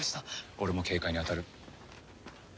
俺も警戒にあたる。